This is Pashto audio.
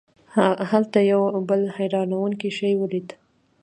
هلته هغه یو بل حیرانوونکی شی ولید.